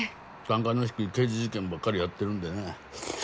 単価の低い刑事事件ばっかりやってるんでね